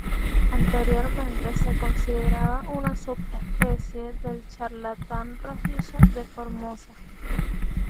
Anteriormente se consideraba una subespecie del charlatán rojizo de Formosa.